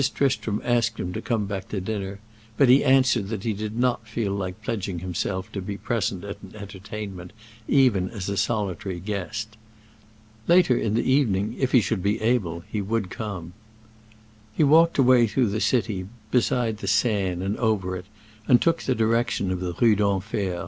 Tristram asked him to come back to dinner; but he answered that he did not feel like pledging himself to be present at an entertainment, even as a solitary guest. Later in the evening, if he should be able, he would come. He walked away through the city, beside the Seine and over it, and took the direction of the Rue d'Enfer.